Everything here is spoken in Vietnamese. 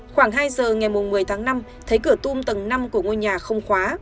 khoảng hai giờ ngày một mươi tháng năm thấy cửa tung tầng năm của ngôi nhà không khóa